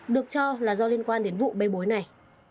được cho là do liên quan đến vụ bê bối này